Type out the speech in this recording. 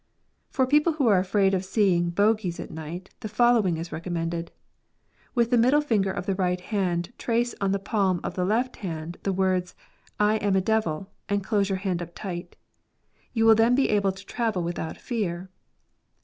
For people who are afraid of seeing bogies at night, the following is recommended :—" With the middle finger of the right hand trace on the palm of the left hand the words / am a devil, and close your hand up tight. You will then be able to travel without fear."